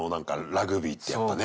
ラグビーってやっぱね。